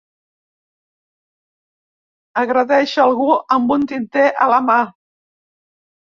Agredeix algú amb un tinter a la mà.